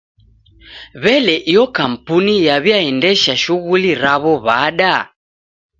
W'ele iyo kampuni yaw'iaendesha shughuli raw'o w'ada?